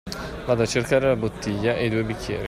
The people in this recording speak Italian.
Vado a cercare la bottiglia e i due bicchieri.